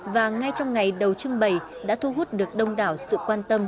và ngay trong ngày đầu trưng bày đã thu hút được đông đảo sự quan tâm